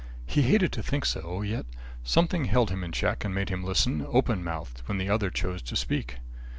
He hated to think so, yet something held him in check and made him listen, open mouthed, when the other chose to speak.